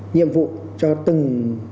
nhiệm vụ cho từng